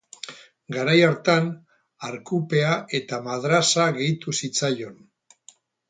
Garai hartan, arkupea eta madrasa gehitu zitzaion.